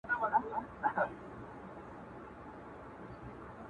o د دښمن په خوږو خبرو مه تېر وزه٫